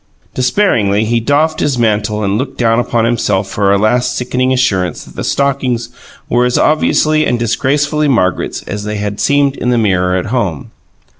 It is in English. Despairingly he doffed his mantle and looked down upon himself for a last sickening assurance that the stockings were as obviously and disgracefully Margaret's as they had seemed in the mirror at home.